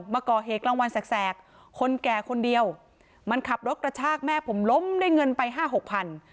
มาก่อเหตุกลางวันแสกคนแก่คนเดียวมันขับรถกระชากแม่ผมล้มได้เงินไปห้าหกพัน